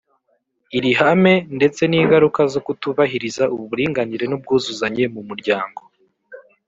iri hame, ndetse n’ingaruka zo kutubahiriza uburinganire n’ubwuzuzanye mu muryango?